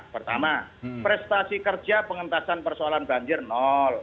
pertama prestasi kerja pengentasan persoalan banjir nol